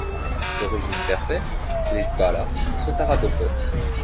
D'origine berbère, les Jbala sont arabophones.